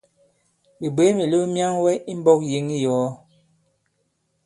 Ɓè bwě mìlew myaŋwɛ i mbɔ̄k yěŋ i yòo?